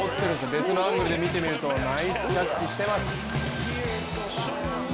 別のアングルで見てみるとナイスキャッチしてます。